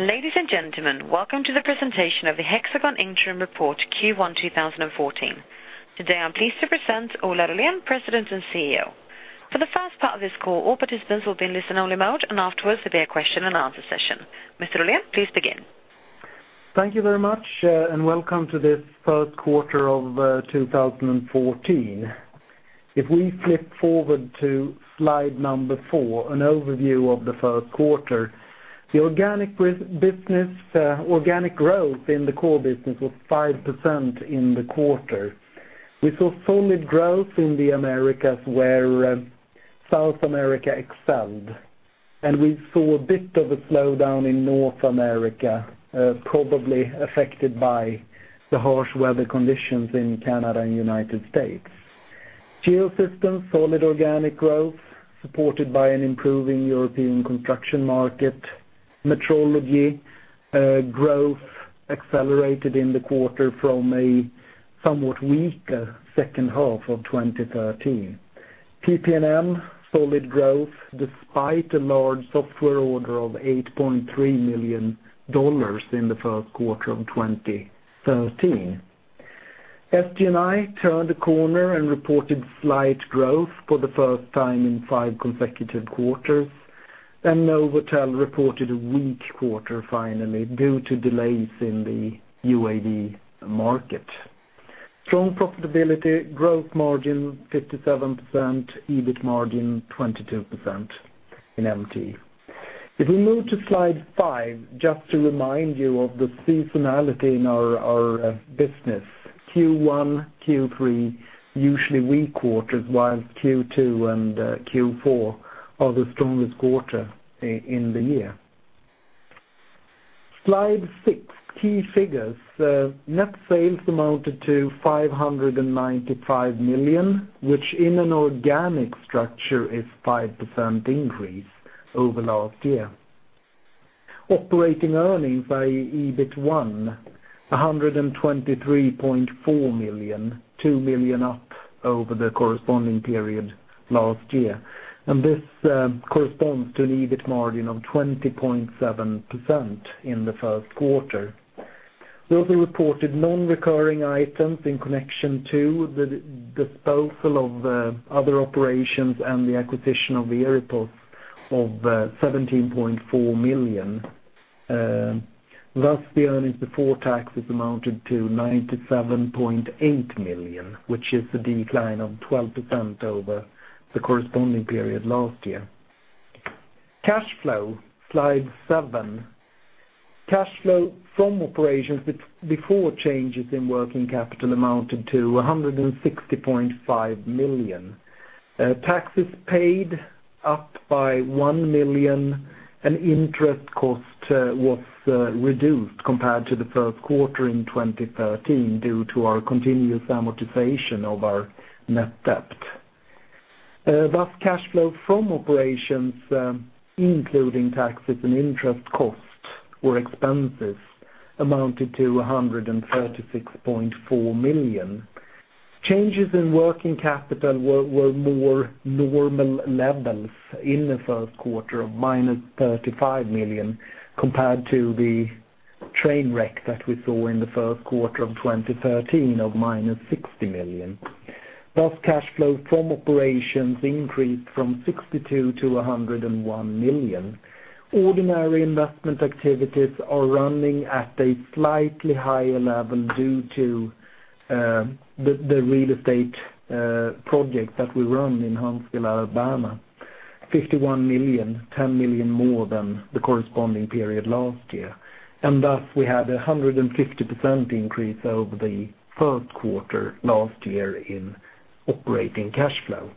Ladies and gentlemen, welcome to the presentation of the Hexagon Interim Report Q1 2014. Today, I'm pleased to present Ola Rollén, President and CEO. For the first part of this call, all participants will be in listen-only mode, and afterwards there will be a question and answer session. Mr. Rollén, please begin. Thank you very much, welcome to this first quarter of 2014. If we flip forward to slide number four, an overview of the first quarter. The organic growth in the core business was 5% in the quarter. We saw solid growth in the Americas, where South America excelled, we saw a bit of a slowdown in North America, probably affected by the harsh weather conditions in Canada and U.S. Geosystems, solid organic growth supported by an improving European construction market. Metrology growth accelerated in the quarter from a somewhat weaker second half of 2013. PP&M, solid growth despite a large software order of EUR 8.3 million in the first quarter of 2013. S&I turned a corner and reported slight growth for the first time in five consecutive quarters. NovAtel reported a weak quarter finally, due to delays in the UAV market. Strong profitability, growth margin 57%, EBIT margin 22% in MT. If we move to slide five, just to remind you of the seasonality in our business. Q1, Q3 usually weak quarters, whilst Q2 and Q4 are the strongest quarter in the year. Slide six, key figures. Net sales amounted to 595 million, which in an organic structure is 5% increase over last year. Operating earnings by EBIT1, 123.4 million, 2 million up over the corresponding period last year. This corresponds to an EBIT margin of 20.7% in the first quarter. We also reported non-recurring items in connection to the disposal of other operations and the acquisition of Veripos of 17.4 million. Thus, the earnings before taxes amounted to 97.8 million, which is a decline of 12% over the corresponding period last year. Cash flow, slide seven. Cash flow from operations before changes in working capital amounted to 160.5 million. Taxes paid up by 1 million, interest cost was reduced compared to the first quarter in 2013 due to our continuous amortization of our net debt. Thus, cash flow from operations including taxes and interest costs or expenses amounted to 136.4 million. Changes in working capital were more normal levels in the first quarter of minus 35 million compared to the train wreck that we saw in the first quarter of 2013 of minus 60 million. Thus, cash flow from operations increased from 62 million to 101 million. Ordinary investment activities are running at a slightly higher level due to the real estate project that we run in Huntsville, Alabama, 51 million, 10 million more than the corresponding period last year. Thus, we had 150% increase over the first quarter last year in operating cash flow.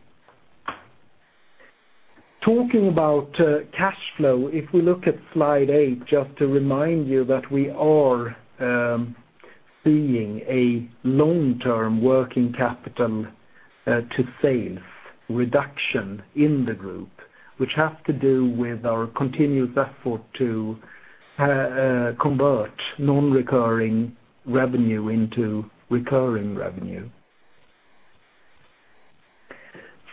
Talking about cash flow, if we look at slide eight, just to remind you that we are seeing a long-term working capital to sales reduction in the group, which has to do with our continuous effort to convert non-recurring revenue into recurring revenue.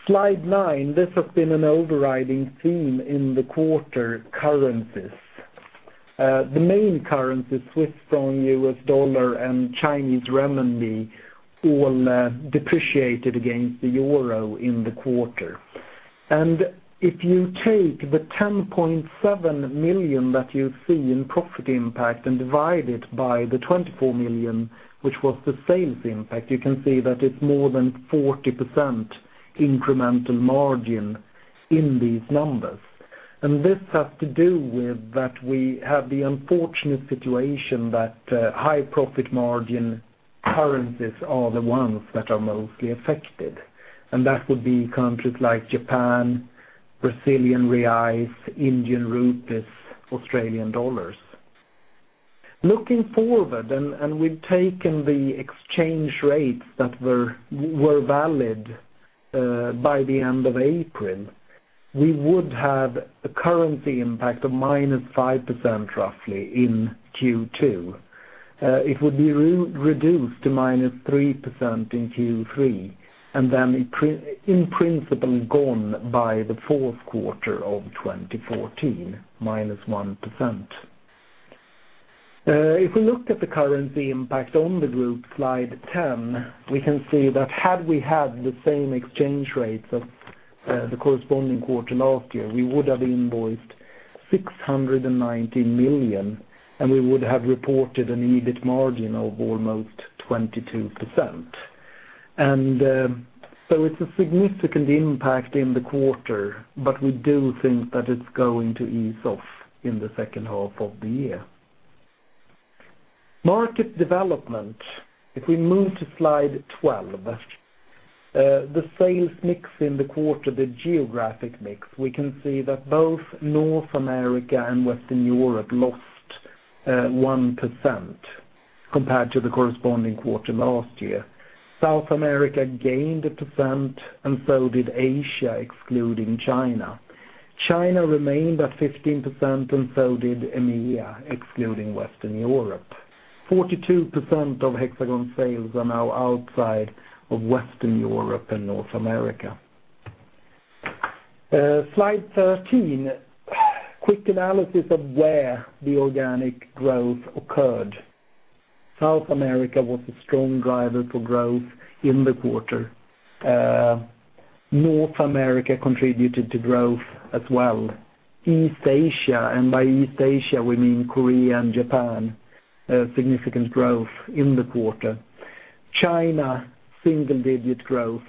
Slide nine. This has been an overriding theme in the quarter, currencies. The main currencies, Swiss franc, US dollar, and Chinese renminbi all depreciated against the euro in the quarter. If you take the 10.7 million that you see in profit impact and divide it by the 24 million, which was the sales impact, you can see that it's more than 40% incremental margin in these numbers. This has to do with that we have the unfortunate situation that high profit margin currencies are the ones that are mostly affected, and that would be countries like Japan, Brazilian reais, Indian rupees, Australian dollars. Looking forward, we've taken the exchange rates that were valid by the end of April, we would have a currency impact `of -5% roughly in Q2. It would be reduced to minus 3% in Q3, and then in principle, gone by the fourth quarter of 2014, minus 1%. If we look at the currency impact on the group, slide 10, we can see that had we had the same exchange rates of the corresponding quarter last year, we would have invoiced 690 million, and we would have reported an EBIT margin of almost 22%. It's a significant impact in the quarter, but we do think that it's going to ease off in the second half of the year. Market development. If we move to slide 12, the sales mix in the quarter, the geographic mix, we can see that both North America and Western Europe lost 1% compared to the corresponding quarter last year. South America gained a percent, and so did Asia, excluding China. China remained at 15%, and so did EMEA, excluding Western Europe. 42% of Hexagon sales are now outside of Western Europe and North America. Slide 13. Quick analysis of where the organic growth occurred. South America was a strong driver for growth in the quarter. North America contributed to growth as well. East Asia, and by East Asia, we mean Korea and Japan, significant growth in the quarter. China, mid-single-digit growth,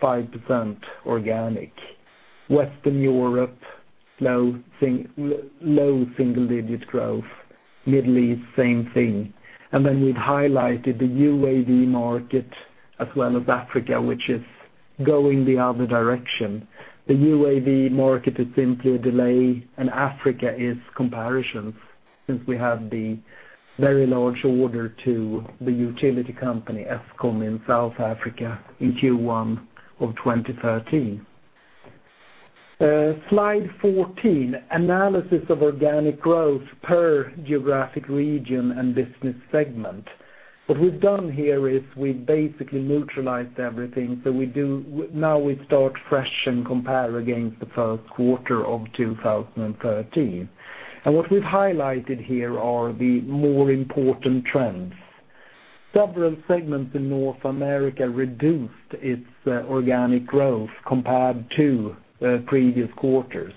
5% organic. Western Europe, low single-digit growth. Middle East, same thing. Then we've highlighted the UAV market as well as Africa, which is going the other direction. The UAV market is simply a delay, Africa is comparisons since we had the very large order to the utility company, Eskom, in South Africa in Q1 of 2013. Slide 14, analysis of organic growth per geographic region and business segment. What we've done here is we basically neutralized everything, so now we start fresh and compare against the first quarter of 2013. What we've highlighted here are the more important trends. Several segments in North America reduced its organic growth compared to previous quarters,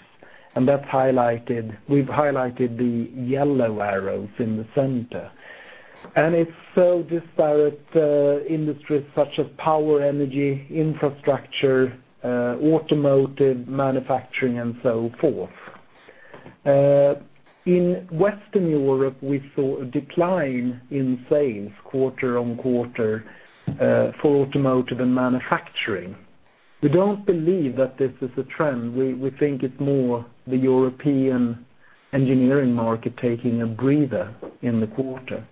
we've highlighted the yellow arrows in the center. It's so disparate industries such as power, energy, infrastructure, automotive, manufacturing and so forth. In Western Europe, we saw a decline in sales quarter on quarter for automotive and manufacturing. We don't believe that this is a trend. We think it's more the European engineering market taking a breather in the quarter.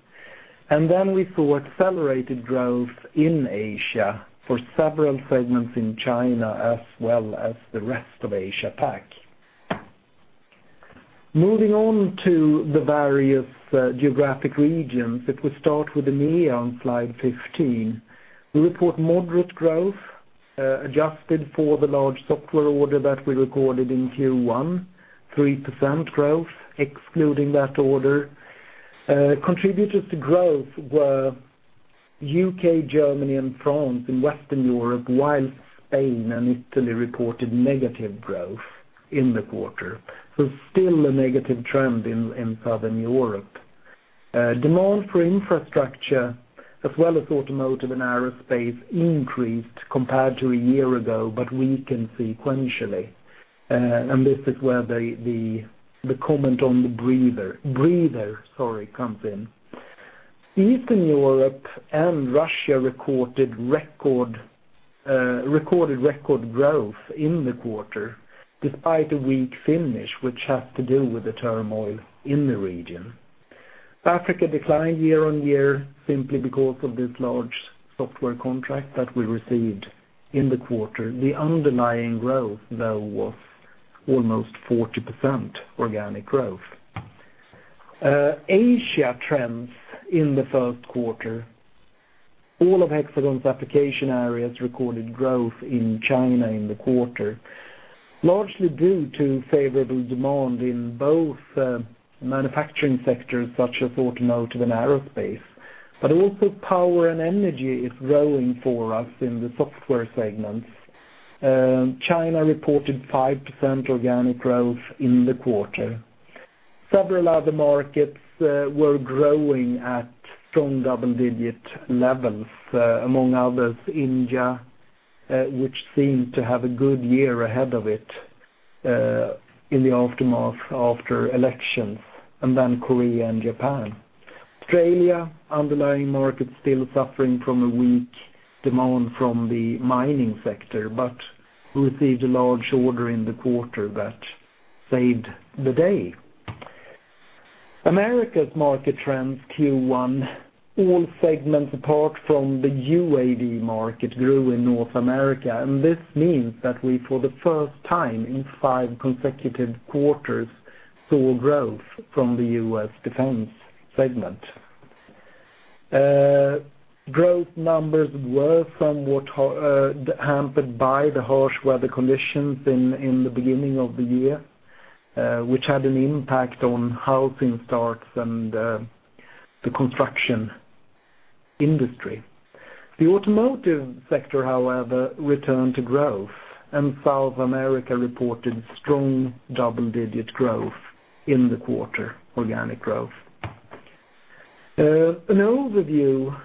We saw accelerated growth in Asia for several segments in China, as well as the rest of Asia PAC. Moving on to the various geographic regions. If we start with EMEA on slide 15, we report moderate growth, adjusted for the large software order that we recorded in Q1, 3% growth, excluding that order. Contributors to growth were U.K., Germany, and France in Western Europe, while Spain and Italy reported negative growth in the quarter. Still a negative trend in Southern Europe. Demand for infrastructure as well as automotive and aerospace increased compared to a year ago, but weakened sequentially. This is where the comment on the breather comes in. Eastern Europe and Russia recorded record growth in the quarter, despite a weak finish, which has to do with the turmoil in the region. Africa declined year-on-year simply because of this large software contract that we received in the quarter. The underlying growth, though, was almost 40% organic growth. Asia trends in the first quarter. All of Hexagon's application areas recorded growth in China in the quarter, largely due to favorable demand in both manufacturing sectors such as automotive and aerospace, but also power and energy is growing for us in the software segments. China reported 5% organic growth in the quarter. Several other markets were growing at strong double-digit levels, among others India, which seemed to have a good year ahead of it in the aftermath after elections, then Korea and Japan. Australia, underlying markets still suffering from a weak demand from the mining sector, but we received a large order in the quarter that saved the day. America's market trends Q1. All segments apart from the UAV market grew in North America, this means that we, for the first time in five consecutive quarters, saw growth from the U.S. defense segment. Growth numbers were somewhat hampered by the harsh weather conditions in the beginning of the year, which had an impact on housing starts and the construction industry. The automotive sector, however, returned to growth, South America reported strong double-digit growth in the quarter, organic growth. An overview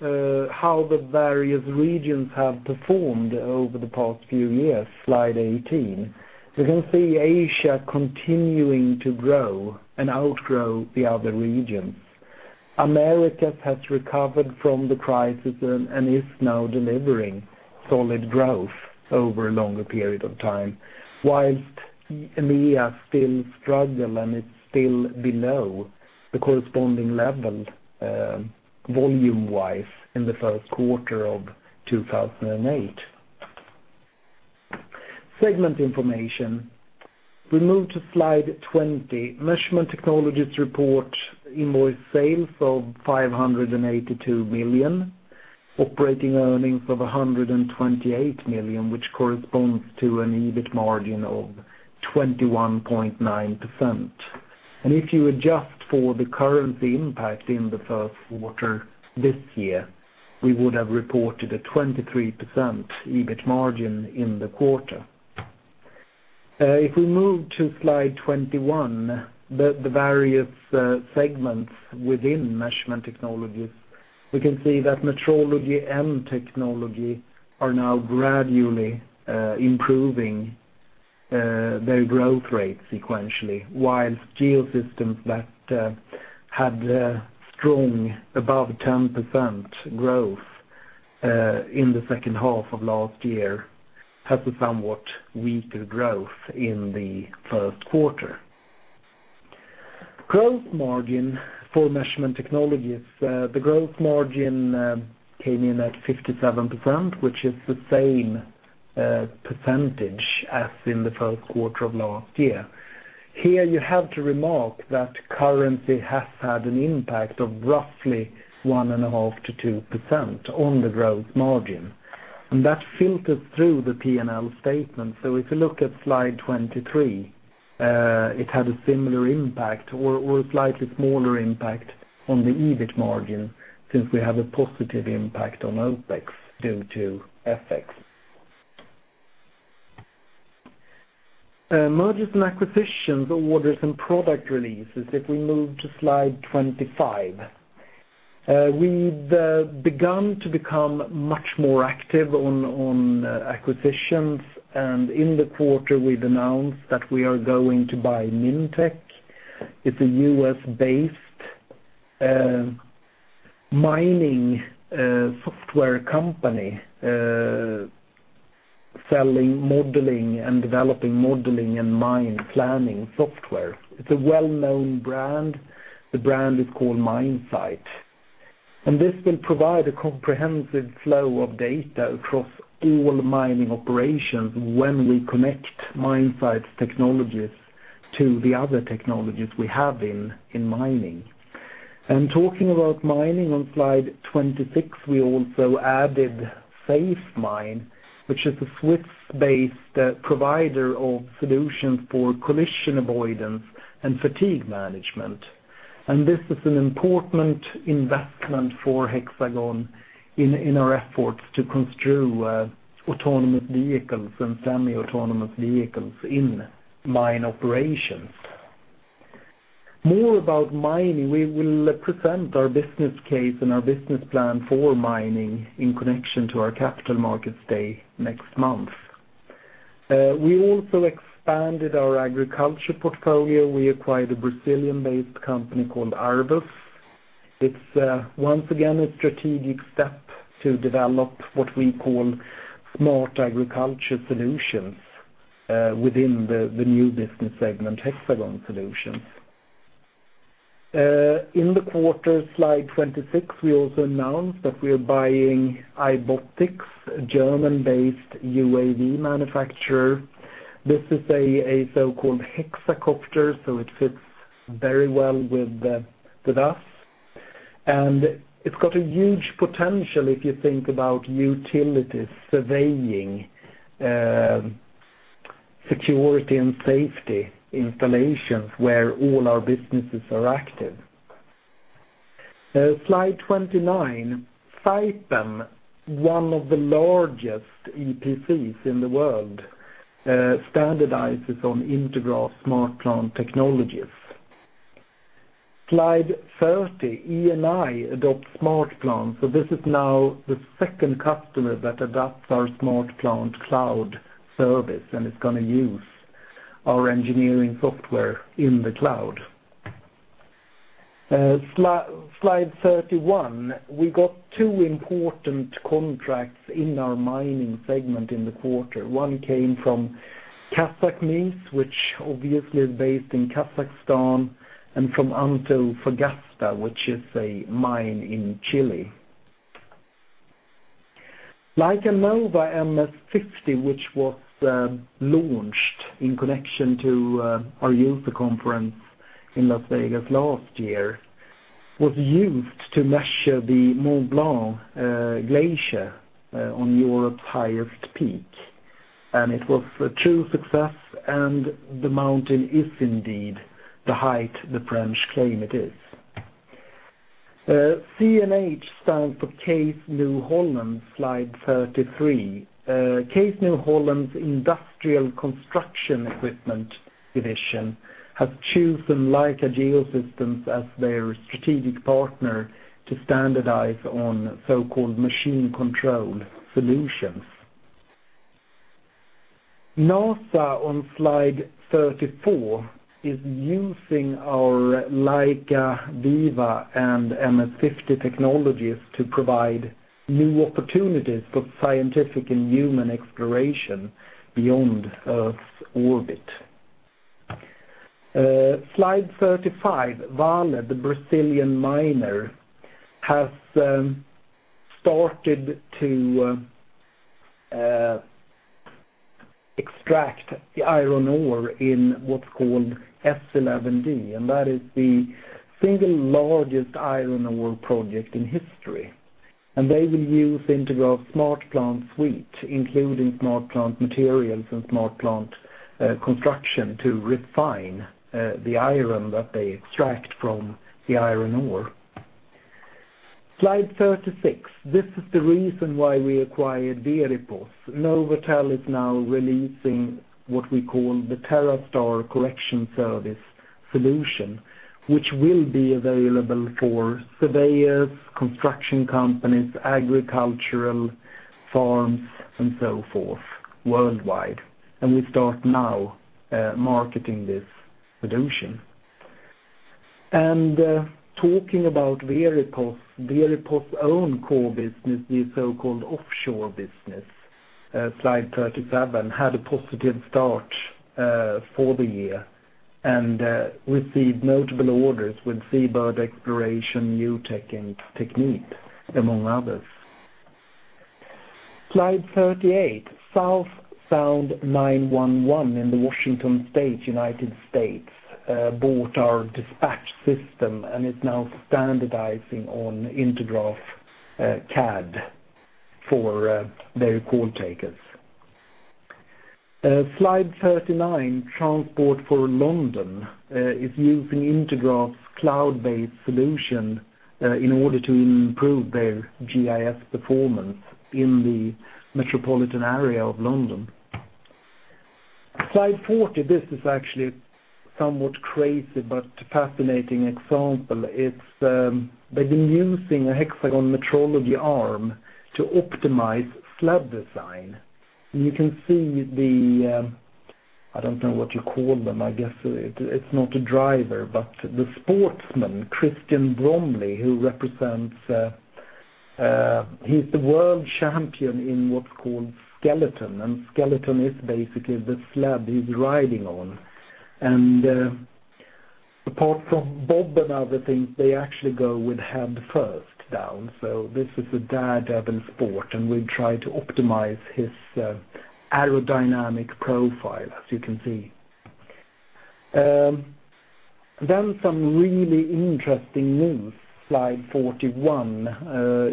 of how the various regions have performed over the past few years, slide 18. You can see Asia continuing to grow and outgrow the other regions. Americas has recovered from the crisis and is now delivering solid growth over a longer period of time, whilst EMEA still struggles, and it's still below the corresponding level, volume-wise, in the first quarter of 2008. Segment information. We move to slide 20. Measurement Technologies report invoice sales of 582 million, operating earnings of 128 million, which corresponds to an EBIT margin of 21.9%. If you adjust for the currency impact in the first quarter this year, we would have reported a 23% EBIT margin in the quarter. If we move to slide 21, the various segments within Measurement Technologies, we can see that Metrology & Technology are now gradually improving their growth rate sequentially, whilst Geosystems that had strong above 10% growth in the second half of last year, has a somewhat weaker growth in the first quarter. Gross margin for Measurement Technologies. The gross margin came in at 57%, which is the same percentage as in the first quarter of last year. Here you have to remark that currency has had an impact of roughly 1.5%-2% on the gross margin, and that filters through the P&L statement. If you look at slide 23, it had a similar impact, or a slightly smaller impact on the EBIT margin, since we have a positive impact on OpEx due to FX. Mergers and acquisitions, orders, and product releases, if we move to slide 25. We've begun to become much more active on acquisitions, and in the quarter we've announced that we are going to buy Mintec. It's a U.S.-based mining software company, selling modeling and developing modeling and mine planning software. It's a well-known brand. The brand is called MineSight. This will provide a comprehensive flow of data across all mining operations when we connect MineSight's technologies to the other technologies we have in mining. Talking about mining on slide 26, we also added SAFEmine, which is a Swiss-based provider of solutions for collision avoidance and fatigue management. This is an important investment for Hexagon in our efforts to construe autonomous vehicles and semi-autonomous vehicles in mine operations. More about mining. We will present our business case and our business plan for mining in connection to our capital markets day next month. We also expanded our agriculture portfolio. We acquired a Brazilian-based company called Arvus. It's, once again, a strategic step to develop what we call smart agriculture solutions within the new business segment, Hexagon Solutions. In the quarter, slide 26, we also announced that we're buying Aibotix, a German-based UAV manufacturer. This is a so-called hexacopter, it fits very well with us, and it's got a huge potential if you think about utilities, surveying, security and safety installations where all our businesses are active. Slide 29. Saipem, one of the largest EPCs in the world, standardizes on Intergraph SmartPlant technologies. Slide 30, Eni adopts SmartPlant, this is now the second customer that adopts our SmartPlant Cloud service and is going to use our engineering software in the cloud. Slide 31, we got two important contracts in our mining segment in the quarter. One came from Kazakhmys, which obviously is based in Kazakhstan, and from Antofagasta, which is a mine in Chile. Leica Nova MS50, which was launched in connection to our user conference in Las Vegas last year, was used to measure the Mont Blanc glacier on Europe's highest peak. It was a true success, and the mountain is indeed the height the French claim it is. CNH stands for Case New Holland, slide 33. Case New Holland's industrial construction equipment division has chosen Leica Geosystems as their strategic partner to standardize on so-called machine control solutions. NASA, on slide 34, is using our Leica Viva and MS50 technologies to provide new opportunities for scientific and human exploration beyond Earth's orbit. Slide 35. Vale, the Brazilian miner, has started to extract the iron ore in what's called S11D, that is the single largest iron ore project in history. They will use Intergraph SmartPlant Suite, including SmartPlant Materials and SmartPlant Construction to refine the iron that they extract from the iron ore. Slide 36. This is the reason why we acquired Veripos. NovAtel is now releasing what we call the TerraStar Correction Services solution, which will be available for surveyors, construction companies, agricultural farms, and so forth worldwide. We start now marketing this solution. Talking about Veripos' own core business, the so-called offshore business, slide 37, had a positive start for the year and received notable orders with Seabed Exploration new technique, among others. Slide 38. South Sound 911 in the Washington State, U.S., bought our dispatch system and is now standardizing on Intergraph CAD for their call takers. Slide 39. Transport for London is using Intergraph's cloud-based solution in order to improve their GIS performance in the metropolitan area of London. Slide 40. This is actually somewhat crazy, but fascinating example. They've been using a Hexagon Metrology arm to optimize sled design. You can see, I don't know what you call them. I guess it's not a driver, but the sportsman, Kristan Bromley, he's the world champion in what's called skeleton, and skeleton is basically the sled he's riding on. Apart from bob and other things, they actually go with head first down. This is a daredevil sport, and we try to optimize his aerodynamic profile, as you can see. Some really interesting news, slide 41.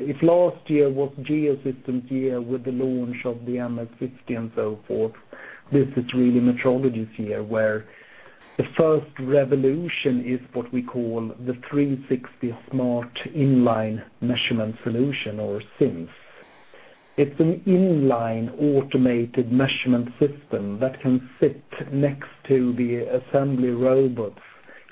If last year was Geosystems' year with the launch of the MS50 and so forth, this is really Metrology's year where the first revolution is what we call the 360° Smart Inline Measurement Solution, or SIMS. It's an in-line automated measurement system that can sit next to the assembly robots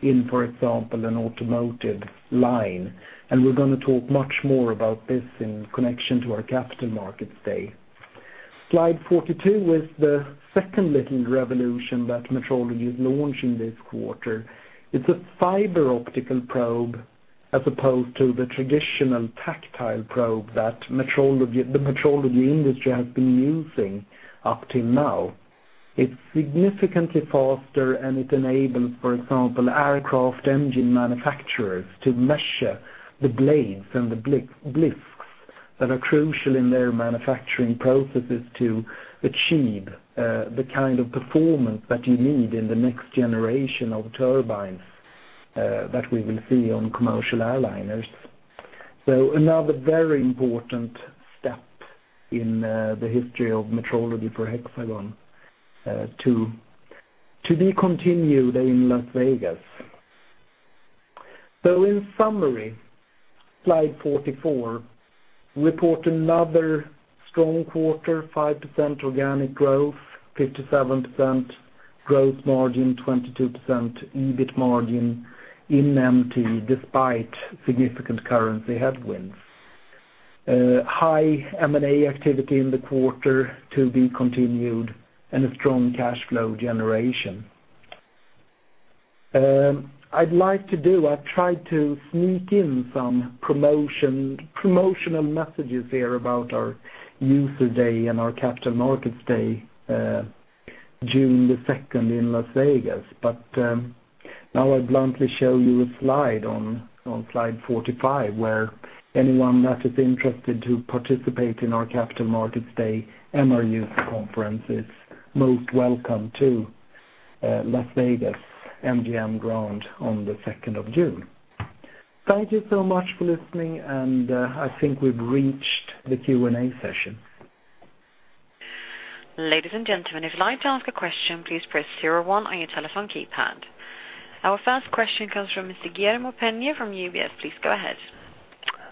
in, for example, an automotive line. We're going to talk much more about this in connection to our Capital Markets Day. Slide 42 is the second little revolution that Metrology is launching this quarter. It's a fiber optical probe as opposed to the traditional tactile probe that the metrology industry has been using up till now. It's significantly faster, and it enables, for example, aircraft engine manufacturers to measure the blades and the blisks that are crucial in their manufacturing processes to achieve the kind of performance that you need in the next generation of turbines that we will see on commercial airliners. Another very important step in the history of metrology for Hexagon to be continued in Las Vegas. In summary, slide 44, we report another strong quarter, 5% organic growth, 57% growth margin, 22% EBIT margin in MT, despite significant currency headwinds. High M&A activity in the quarter to be continued and a strong cash flow generation. I've tried to sneak in some promotional messages here about our User Day and our Capital Markets Day, June the 2nd in Las Vegas. I'll bluntly show you a slide on slide 45, where anyone that is interested to participate in our Capital Markets Day and our user conference is most welcome to Las Vegas MGM Grand on the 2nd of June. Thank you so much for listening, and I think we've reached the Q&A session. Ladies and gentlemen, if you'd like to ask a question, please press 01 on your telephone keypad. Our first question comes from Mr. Guillermo Pena from UBS. Please go ahead.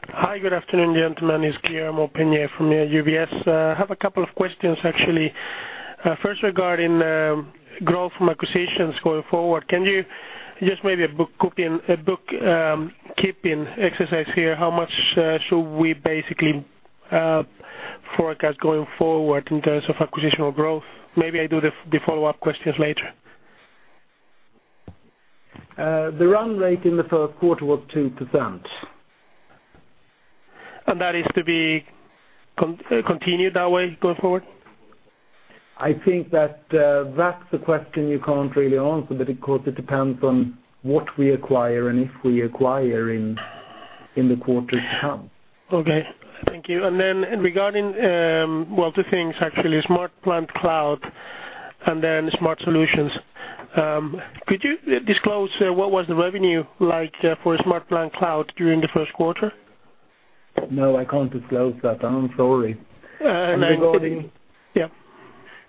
Hi. Good afternoon, gentlemen. It's Guillermo Pena from UBS. I have a couple of questions, actually. First, regarding growth from acquisitions going forward, can you just maybe a bookkeeping exercise here, how much should we basically forecast going forward in terms of acquisitional growth? Maybe I do the follow-up questions later. The run rate in the third quarter was 2%. That is to be continued that way going forward? I think that's a question you can't really answer, because it depends on what we acquire, and if we acquire in the quarters to come. Okay. Thank you. Then regarding, well, two things actually, SmartPlant Cloud and Smart Solutions. Could you disclose what was the revenue like for SmartPlant Cloud during the first quarter? No, I can't disclose that. I'm sorry.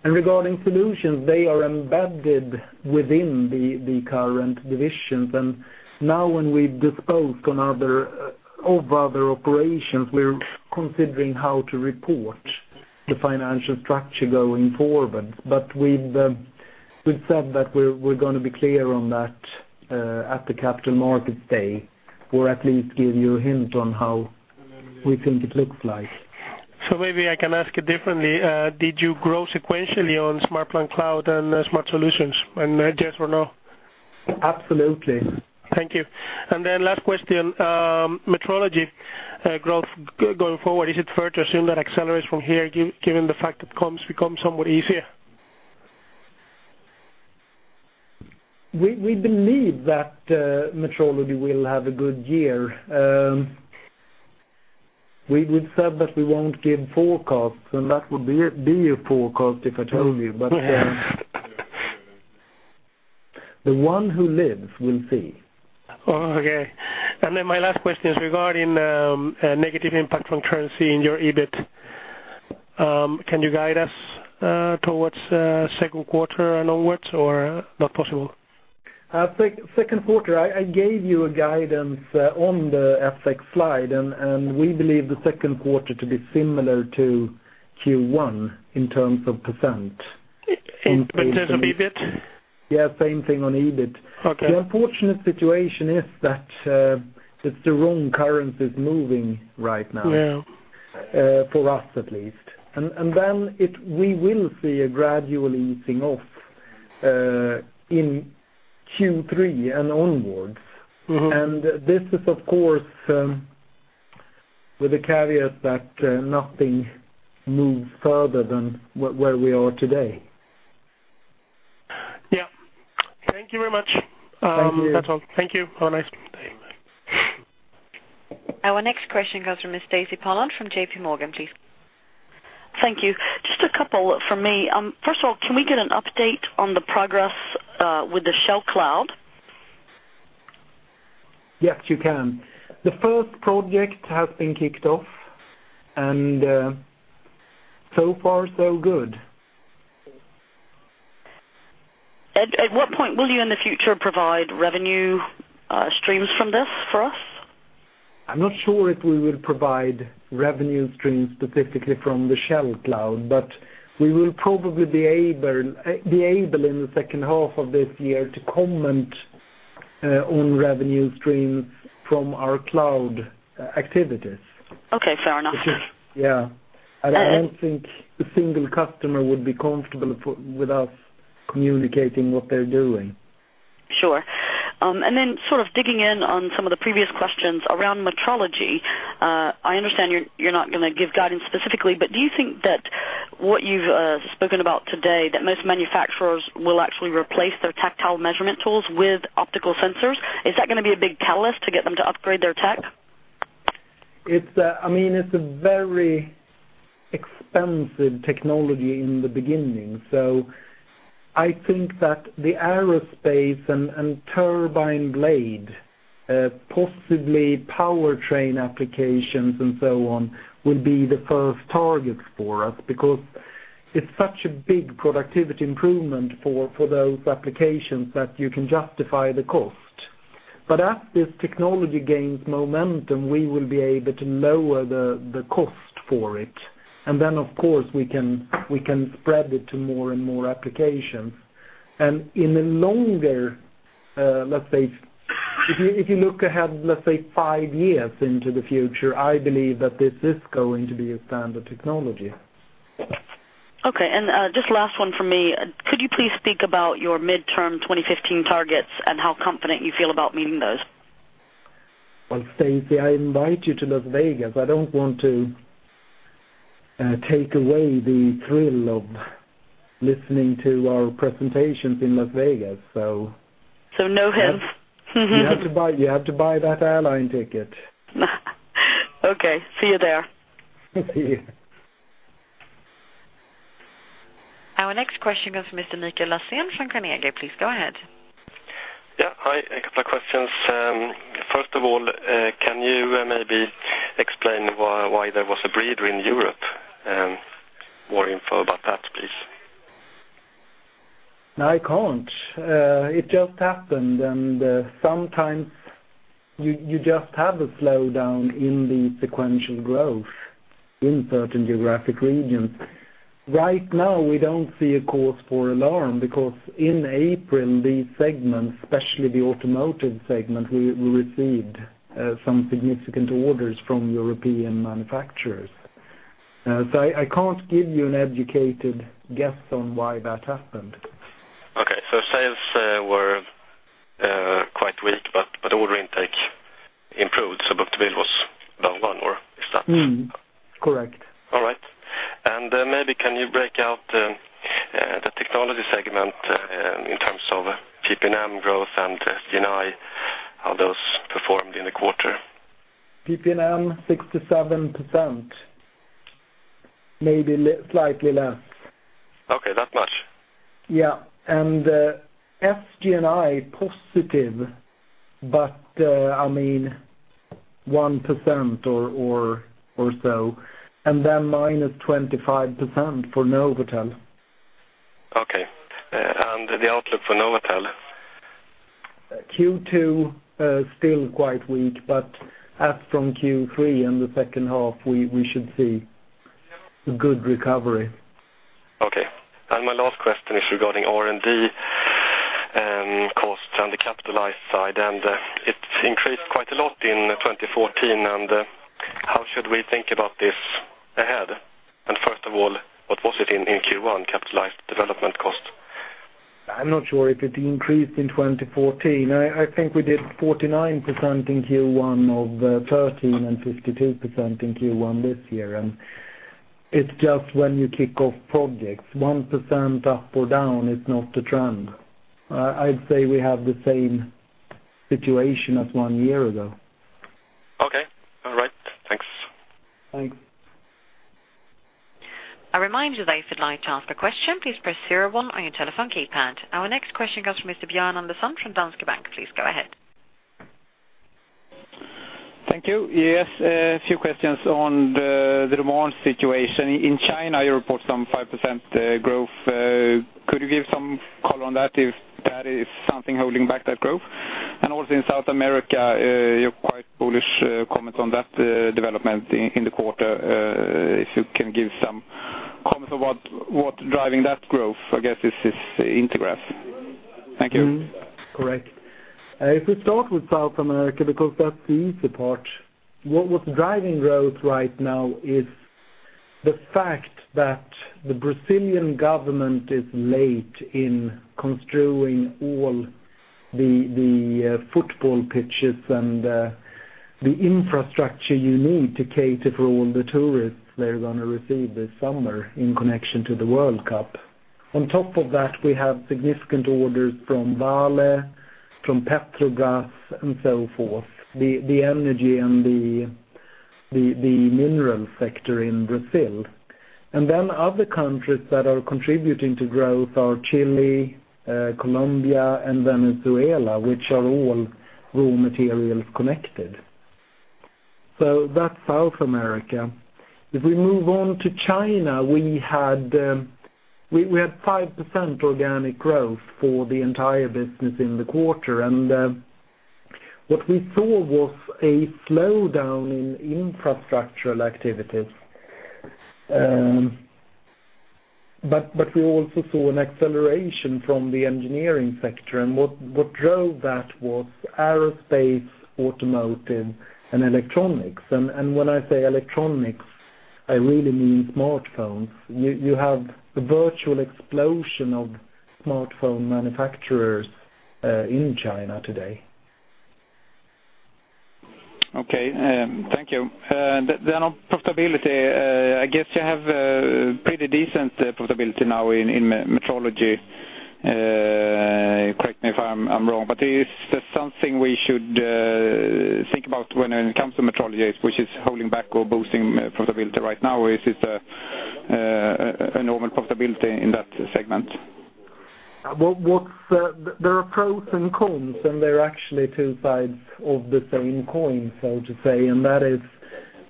Yeah. Regarding Smart Solutions, they are embedded within the current divisions. Now when we've disposed of other operations, we're considering how to report the financial structure going forward. We've said that we're going to be clear on that at the Capital Markets Day, or at least give you a hint on how we think it looks like. Maybe I can ask it differently. Did you grow sequentially on SmartPlant Cloud and Smart Solutions? Yes or no? Absolutely. Thank you. Last question. Metrology growth going forward, is it fair to assume that accelerates from here given the fact that comps become somewhat easier? We believe that Metrology will have a good year. We've said that we won't give forecasts, and that would be a forecast if I told you, but the one who lives will see. Okay. My last question is regarding negative impact from currency in your EBIT. Can you guide us towards second quarter and onwards or not possible? Second quarter, I gave you a guidance on the FX slide, and we believe the second quarter to be similar to Q1 in terms of percent. In terms of EBIT? Yeah, same thing on EBIT. Okay. The unfortunate situation is that the wrong currency is moving right now. Yeah for us at least. Then we will see a gradual easing off in Q3 and onwards. This is, of course, with the caveat that nothing moves further than where we are today. Yeah. Thank you very much. Thank you. That's all. Thank you. Have a nice day. Our next question comes from Ms. Stacy Pallant from JPMorgan, please. Thank you. Just a couple from me. First of all, can we get an update on the progress with the Shell Cloud? Yes, you can. The first project has been kicked off, so far so good. At what point will you in the future provide revenue streams from this for us? I'm not sure if we will provide revenue streams specifically from the Shell Cloud, but we will probably be able in the second half of this year to comment on revenue streams from our cloud activities. Okay. Fair enough. Yeah. I don't think a single customer would be comfortable with us communicating what they're doing. Sure. Sort of digging in on some of the previous questions around Metrology. I understand you're not going to give guidance specifically, do you think that what you've spoken about today, that most manufacturers will actually replace their tactile measurement tools with optical sensors? Is that going to be a big catalyst to get them to upgrade their tech? It's a very expensive technology in the beginning. I think that the aerospace and turbine blade, possibly powertrain applications and so on, will be the first targets for us because it's such a big productivity improvement for those applications that you can justify the cost. As this technology gains momentum, we will be able to lower the cost for it. Of course, we can spread it to more and more applications. In a longer, let's say if you look ahead, let's say five years into the future, I believe that this is going to be a standard technology. Okay. Just last one from me. Could you please speak about your midterm 2015 targets and how confident you feel about meeting those? Stacy, I invite you to Las Vegas. I don't want to take away the thrill of listening to our presentations in Las Vegas. No hints? You have to buy that airline ticket. Okay, see you there. See you. Our next question comes from Mr. Mikael Laséen from Carnegie. Please go ahead. Yeah. Hi, a couple of questions. First of all, can you maybe explain why there was a breather in Europe, and more info about that, please? No, I can't. It just happened, sometimes you just have a slowdown in the sequential growth in certain geographic regions. Right now, we don't see a cause for alarm because, in April, the segment, especially the automotive segment, we received some significant orders from European manufacturers. I can't give you an educated guess on why that happened. Okay. Sales were quite weak, order intake improved. Book-to-bill was down one, or is that? Mm-hmm. Correct. All right. Maybe can you break out the technology segment in terms of PP&M growth and SG&I, how those performed in the quarter? PP&M, 67%, maybe slightly less. Okay, that much. Yeah. SG&I, positive, but 1% or so, minus 25% for NovAtel. Okay. The outlook for NovAtel? Q2, still quite weak, but as from Q3, in the second half, we should see a good recovery. Okay. My last question is regarding R&D and cost on the capitalized side. It increased quite a lot in 2014, how should we think about this ahead? First of all, what was it in Q1, capitalized development cost? I'm not sure if it increased in 2014. I think we did 49% in Q1 of 2013 and 52% in Q1 this year. It's just when you kick off projects, 1% up or down is not the trend. I'd say we have the same situation as one year ago. Okay. All right. Thanks. Thanks. I remind you that if you'd like to ask a question, please press 01 on your telephone keypad. Our next question comes from Mr. Björn Andersson from Danske Bank. Please go ahead. Thank you. Yes, a few questions on the romance situation. In China, you report some 5% growth. Could you give some color on that, if that is something holding back that growth? Also, in South America, you're quite bullish comment on that development in the quarter. If you can give some comments about what driving that growth, I guess this is Intergraph. Thank you. Mm-hmm. Correct. We start with South America, because that's the easy part. What was driving growth right now is the fact that the Brazilian government is late in construing all the football pitches and the infrastructure you need to cater for all the tourists they're going to receive this summer in connection to the World Cup. On top of that, we have significant orders from Vale, from Petrobras, and so forth, the energy and the mineral sector in Brazil. Other countries that are contributing to growth are Chile, Colombia, and Venezuela, which are all raw materials connected. That's South America. We move on to China, we had 5% organic growth for the entire business in the quarter, what we saw was a slowdown in infrastructural activities. We also saw an acceleration from the engineering sector, what drove that was aerospace, automotive, and electronics. When I say electronics, I really mean smartphones. You have a virtual explosion of smartphone manufacturers in China today. Okay. Thank you. On profitability, I guess you have a pretty decent profitability now in Metrology. Correct me if I'm wrong, is there something we should think about when it comes to Metrology, which is holding back or boosting profitability right now? Is this a normal profitability in that segment? There are pros and cons, they're actually two sides of the same coin, so to say, that is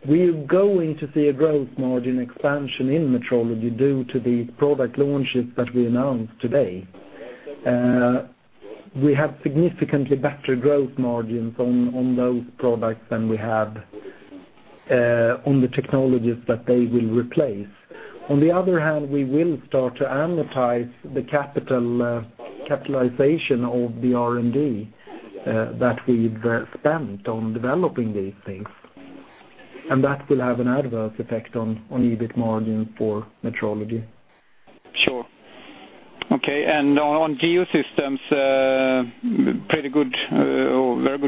we are going to see a growth margin expansion in Metrology due to these product launches that we announced today. We have significantly better growth margins on those products than we have on the technologies that they will replace. On the other hand, we will start to amortize the capitalization of the R&D that we've spent on developing these things that will have an adverse effect on EBIT margin for Metrology. Sure. Okay, on Geosystems, very good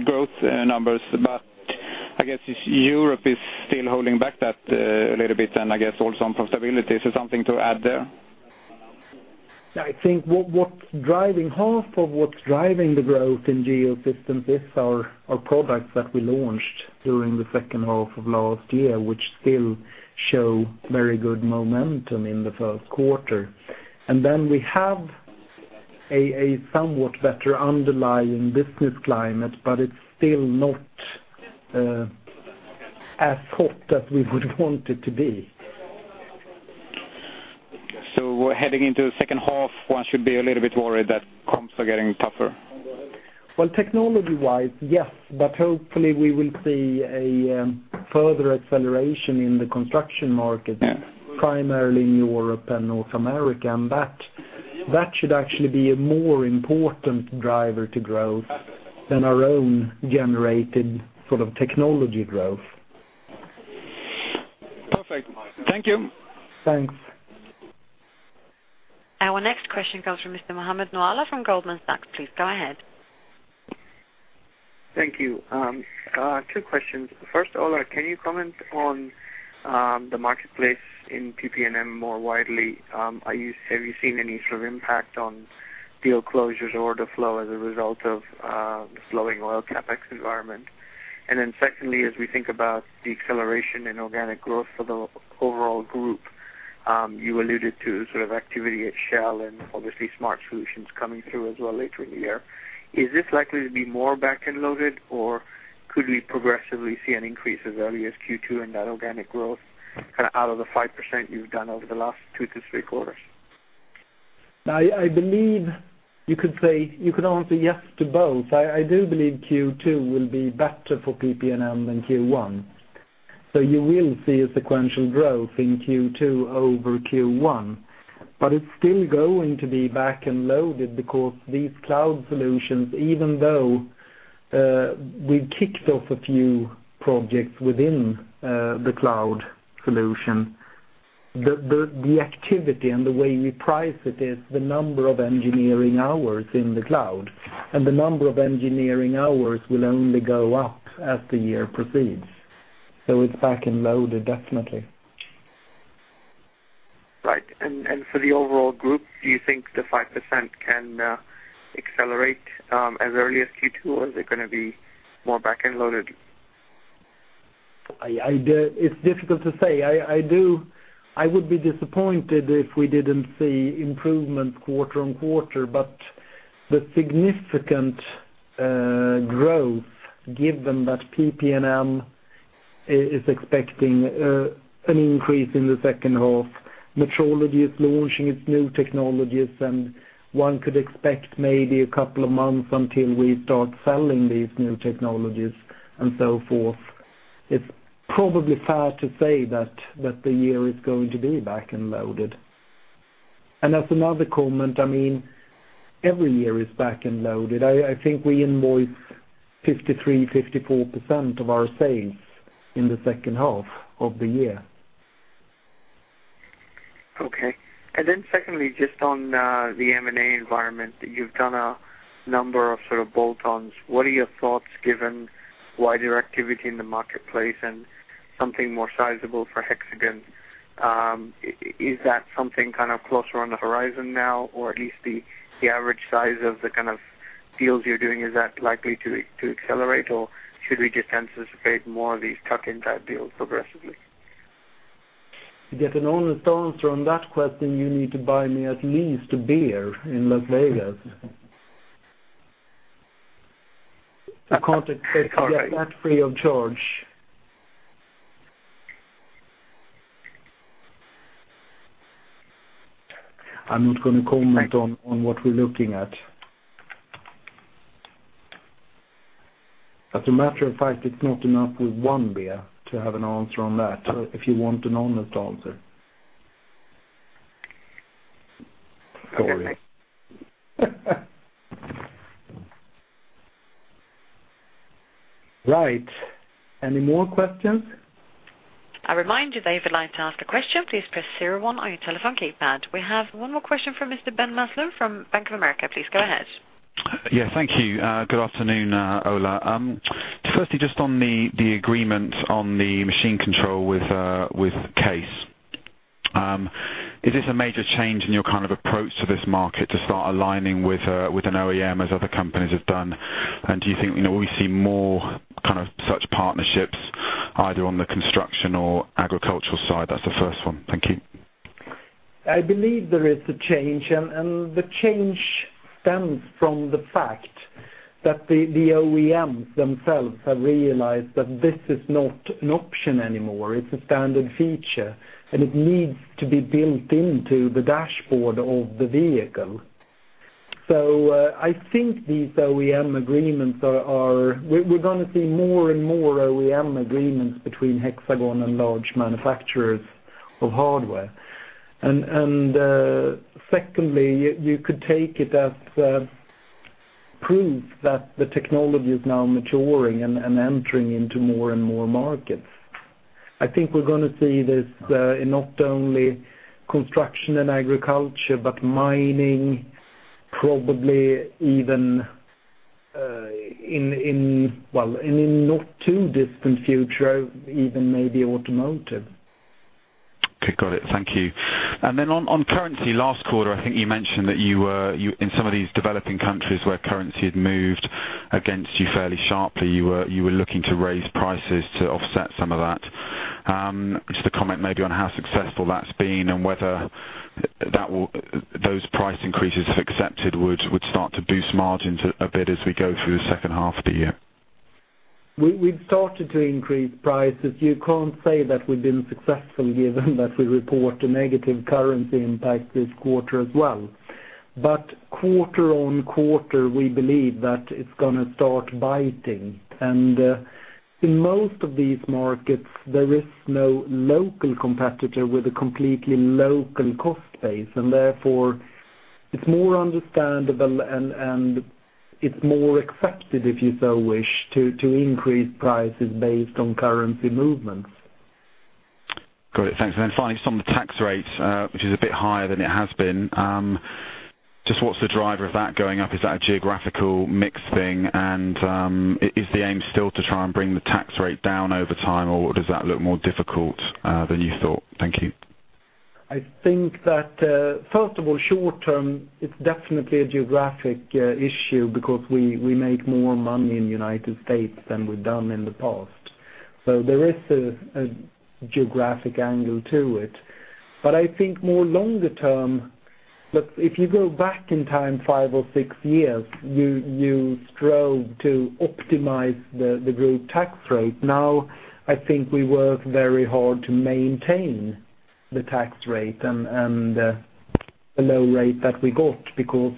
growth numbers. I guess Europe is still holding back that a little bit and I guess also on profitability. Something to add there? Half of what's driving the growth in Geosystems is our products that we launched during the second half of last year, which still show very good momentum in the first quarter. We have a somewhat better underlying business climate, but it's still not as hot as we would want it to be. Heading into the second half, one should be a little bit worried that comps are getting tougher. Technology-wise, yes. Hopefully we will see a further acceleration in the construction market. Yeah primarily in Europe and North America, that should actually be a more important driver to growth than our own generated technology growth. Perfect. Thank you. Thanks. Our next question comes from Mr. Mohammed Moawalla from Goldman Sachs. Please go ahead. Thank you. Two questions. First, Ola, can you comment on the marketplace in PP&M more widely? Have you seen any sort of impact on deal closures or order flow as a result of the slowing oil CapEx environment? Then secondly, as we think about the acceleration in organic growth for the overall group, you alluded to sort of activity at Shell and obviously Smart Solutions coming through as well later in the year. Is this likely to be more back-end loaded, or could we progressively see an increase as early as Q2 in that organic growth out of the 5% you've done over the last two to three quarters? I believe you could answer yes to both. I do believe Q2 will be better for PP&M than Q1. You will see a sequential growth in Q2 over Q1, it's still going to be back-end loaded because these cloud solutions, even though we've kicked off a few projects within the cloud solution, the activity and the way we price it is the number of engineering hours in the cloud, and the number of engineering hours will only go up as the year proceeds. It's back-end loaded definitely. Right. For the overall group, do you think the 5% can accelerate as early as Q2 or is it going to be more back-end loaded? It's difficult to say. I would be disappointed if we didn't see improvement quarter on quarter, the significant growth, given that PP&M is expecting an increase in the second half, Metrology is launching its new technologies, one could expect maybe a couple of months until we start selling these new technologies and so forth. It's probably fair to say that the year is going to be back-end loaded. As another comment, every year is back-end loaded. I think we invoice 53%, 54% of our sales in the second half of the year. Okay. Then secondly, just on the M&A environment, you've done a number of sort of bolt-ons. What are your thoughts given wider activity in the marketplace and something more sizable for Hexagon? Is that something closer on the horizon now? At least the average size of the kind of deals you're doing, is that likely to accelerate, or should we just anticipate more of these tuck-in type deals progressively? To get an honest answer on that question, you need to buy me at least a beer in Las Vegas. Okay. I can't give that free of charge. I'm not going to comment on what we're looking at. As a matter of fact, it's not enough with one beer to have an answer on that, if you want an honest answer. Okay. Right. Any more questions? I remind you that if you'd like to ask a question, please press 01 on your telephone keypad. We have one more question from Mr. Ben Maslen from Bank of America. Please go ahead. Yeah. Thank you. Good afternoon, Ola. Firstly, just on the agreement on the machine control with CASE. Is this a major change in your approach to this market to start aligning with an OEM, as other companies have done? Do you think we'll see more such partnerships either on the construction or agricultural side? That's the first one. Thank you. I believe there is a change, the change stems from the fact that the OEMs themselves have realized that this is not an option anymore. It's a standard feature, and it needs to be built into the dashboard of the vehicle. I think we're going to see more and more OEM agreements between Hexagon and large manufacturers of hardware. Secondly, you could take it as proof that the technology is now maturing and entering into more and more markets. I think we're going to see this in not only construction and agriculture, but mining probably even in not too distant future, even maybe automotive. Okay, got it. Thank you. Then on currency. Last quarter, I think you mentioned that you were in some of these developing countries where currency had moved against you fairly sharply. You were looking to raise prices to offset some of that. Just a comment maybe on how successful that's been and whether those price increases, if accepted, would start to boost margins a bit as we go through the second half of the year. We've started to increase prices. You can't say that we've been successful given that we report a negative currency impact this quarter as well. Quarter on quarter, we believe that it's going to start biting. In most of these markets, there is no local competitor with a completely local cost base, and therefore it's more understandable and it's more accepted, if you so wish, to increase prices based on currency movements. Got it. Thanks. Then finally, just on the tax rate, which is a bit higher than it has been. Just what's the driver of that going up? Is that a geographical mix thing? Is the aim still to try and bring the tax rate down over time, or does that look more difficult than you thought? Thank you. I think that, first of all, short term, it's definitely a geographic issue because we make more money in the U.S. than we've done in the past. There is a geographic angle to it. I think more longer term, look, if you go back in time five or six years, you strove to optimize the group tax rate. Now, I think we work very hard to maintain the tax rate and the low rate that we got. Because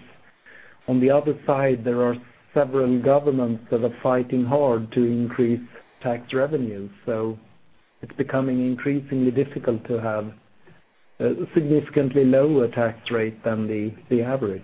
on the other side, there are several governments that are fighting hard to increase tax revenue. It's becoming increasingly difficult to have a significantly lower tax rate than the average.